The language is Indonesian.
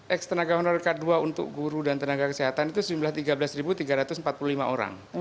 ex tenaga honorer k dua untuk guru dan tenaga kesehatan itu sejumlah tiga belas tiga ratus empat puluh lima orang